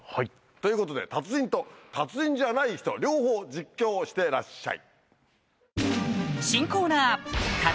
ということで達人と達人じゃない人両方実況してらっしゃい。